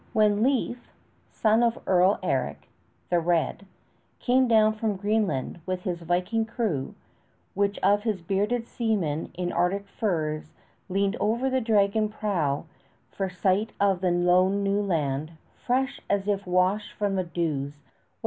When Leif, son of Earl Eric, the Red, came down from Greenland with his Viking crew, which of his bearded seamen in Arctic furs leaned over the dragon prow for sight of the lone new land, fresh as if washed by the dews of earth's first morning?